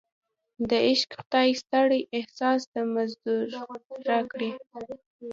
د عشق خدای ستړی احساس د مزدور راکړی